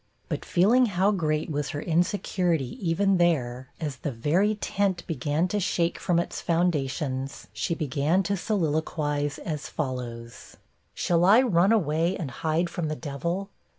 But feeling how great was her insecurity even there, as the very tent began to shake from its foundations, she began to soliloquise as follows: 'Shall I run away and hide from the Devil?